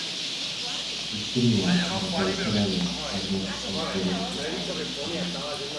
Istria y la cabecera del Adriático fueron incorporados a Dalmacia.